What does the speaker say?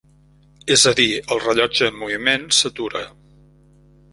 És a dir, el rellotge en moviment s'atura.